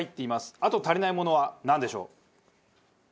あと足りないものはなんでしょう？